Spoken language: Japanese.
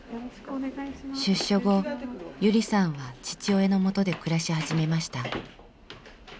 出所後ゆりさんは父親のもとで暮らし始めました。